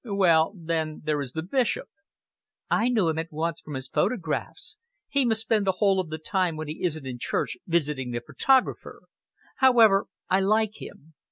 "Well, then, there is the Bishop." "I knew him at once from his photographs. He must spend the whole of the time when he isn't in church visiting the photographer. However, I like him.